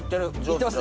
いってます？